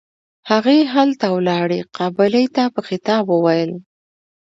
هغې هلته ولاړې قابلې ته په خطاب وويل.